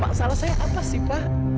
masalah saya apa sih pak